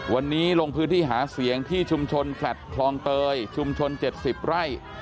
วันนี้ลงพื้นที่หาเสียงที่ชุมชนแฟลต์คลองเตยชุมชน๗๐ไร่